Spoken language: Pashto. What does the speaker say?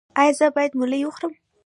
ایا زه باید ملی وخورم؟